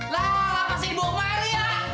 lah apa sih dibuang kemari ya